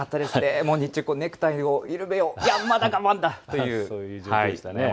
日中ネクタイを緩めよう、まだ我慢だというそういう状況でしたね。